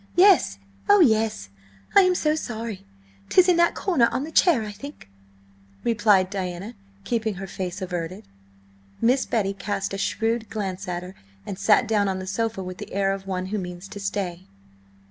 "Yes–oh, yes–I am so sorry! 'Tis in that corner on the chair, I think," replied Diana, keeping her face averted. Miss Betty cast a shrewd glance at her, and sat down on the sofa with the air of one who means to stay.